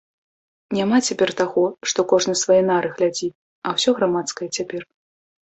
Няма цяпер таго, што кожны свае нары глядзі, а ўсё грамадскае цяпер.